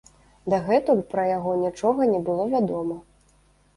Дагэтуль пра яго нічога не было вядома.